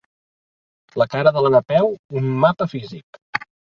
La cara de la Napeu, un mapa físic.